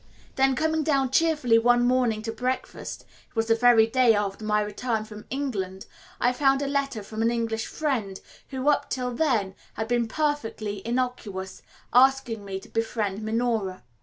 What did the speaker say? Then coming down cheerfully one morning to breakfast it was the very day after my return from England I found a letter from an English friend, who up till then had been perfectly innocuous, asking me to befriend Minora.